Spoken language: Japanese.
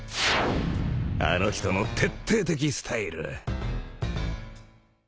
あの人の徹底的スタイル。